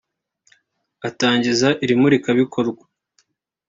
Atangiza iri murikabikorwa